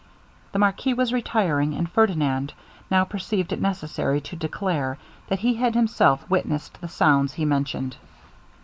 The marquis was retiring, and Ferdinand now perceived it necessary to declare, that he had himself witnessed the sounds he mentioned.